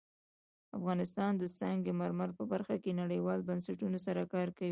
افغانستان د سنگ مرمر په برخه کې نړیوالو بنسټونو سره کار کوي.